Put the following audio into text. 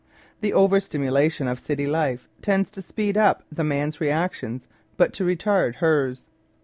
The over stimulation oi city life tends to " speed up " the man's reactions, but to retard hers.